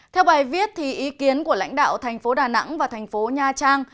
theo bài viết ý kiến của lãnh đạo thành phố đà nẵng và thành phố nha trang